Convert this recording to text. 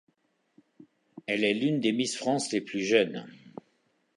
Elle est l'une des Miss France les plus jeunes.